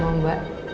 kita ketemu dimana